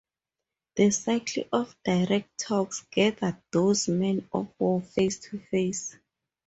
The cycle of direct talks gathered those men of war face to face.